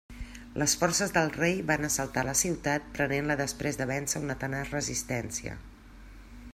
Les forces del rei van assaltar la ciutat prenent-la després de vèncer una tenaç resistència.